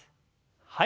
はい。